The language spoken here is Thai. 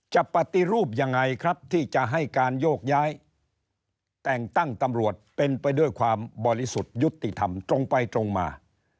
ปฏิรูปยังไงครับที่จะให้การโยกย้ายแต่งตั้งตำรวจเป็นไปด้วยความบริสุทธิ์ยุติธรรมตรงไปตรงมา